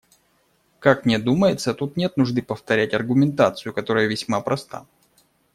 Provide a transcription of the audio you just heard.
Как мне думается, тут нет нужды повторять аргументацию, которая весьма проста.